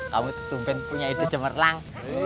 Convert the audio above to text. kamu itu tumpen punya hidup cemerlang